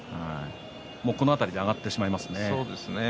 このあたりが上がってしまいますね。